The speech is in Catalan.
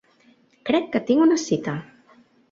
Crec que tinc una cita.